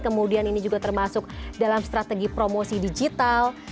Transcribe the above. kemudian ini juga termasuk dalam strategi promosi digital